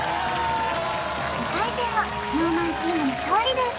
２回戦はＳｎｏｗＭａｎチームの勝利です